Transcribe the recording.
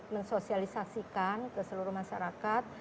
mensosialisasikan ke seluruh masyarakat